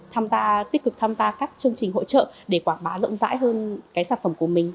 tham gia tích cực tham gia các chương trình hỗ trợ để quảng bá rộng rãi hơn cái sản phẩm của mình